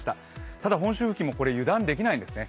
ただ本州付近も油断できないんですね。